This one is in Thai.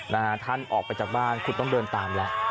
นะฮะท่านออกไปจากบ้านคุณต้องเดินตามแล้ว